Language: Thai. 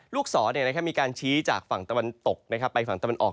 ลูกศรมีการชี้จากฝั่งตะวันตกไปฝั่งตะวันออก